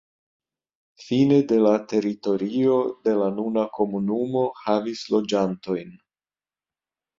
Fine de la teritorio de la nuna komunumo havis loĝantojn.